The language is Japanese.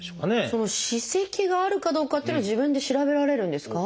その歯石があるかどうかっていうのは自分で調べられるんですか？